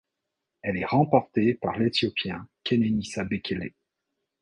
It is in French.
Elle est remportée par l'Éthiopien Kenenisa Bekele.